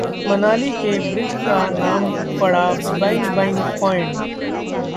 मनाली में ब्रिज का नाम पड़ा बैंग बैंग पॉइंट